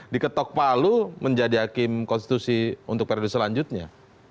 diketok palu menjadi hakim konstitusi untuk periode selanjutnya